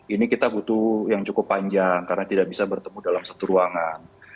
ini kita butuh yang cukup panjang karena tidak bisa bertemu dalam satu ruangan